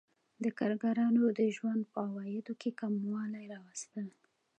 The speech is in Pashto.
د کارګرانو د ژوند په عوایدو کې کموالی راوستل